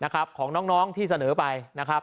ของน้องที่เสนอไป